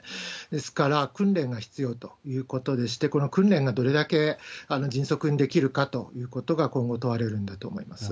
ですから、訓練が必要ということでして、この訓練がどれだけ迅速にできるかということが今後、問われるんだと思います。